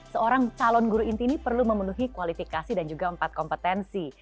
seorang calon guru inti ini perlu memenuhi kualifikasi dan juga empat kompetensi